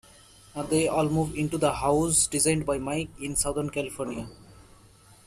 They all move into the house designed by Mike in southern California.